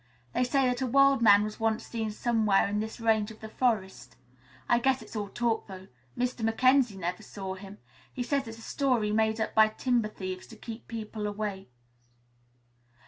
"They say that a wild man was once seen somewhere in this range of forest. I guess it's all talk, though. Mr. Mackenzie never saw him. He says it's a story made up by timber thieves to keep people away."